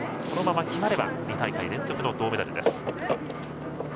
このまま決まれば２大会連続の銅メダルです。